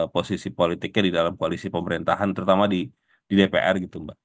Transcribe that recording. posisi politiknya di dalam koalisi pemerintahan terutama di dpr gitu mbak